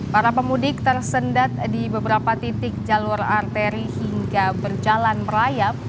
para pemudik tersendat di beberapa titik jalur arteri hingga berjalan merayap